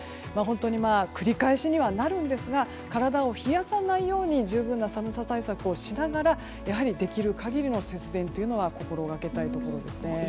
本当に繰り返しにはなるんですが体を冷やさないように十分な寒さ対策をしながらできる限りの節電を心がけたいところですね。